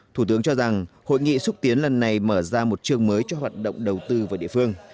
thủ tướng cho rằng hội nghị xúc tiến lần này mở ra một trường mới cho hoạt động đầu tư vào địa phương